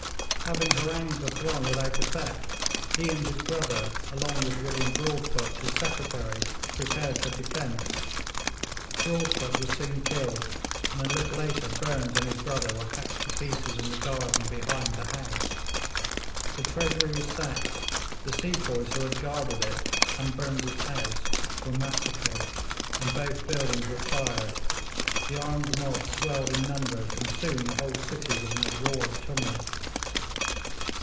Having harangued the throng without effect, he and his brother, along with William Broadfoot his secretary, prepared for defence. Broadfoot was soon killed, and a little later Burnes and his brother were hacked to pieces in the garden behind the house. The Treasury was sacked; the sepoys who had guarded it and Burnes' house were massacred, and both buildings were fired; the armed mob swelled in numbers, and soon the whole city was in a roar of tumult.